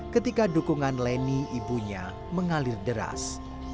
ketika dukungan leni ibunya mengalir deras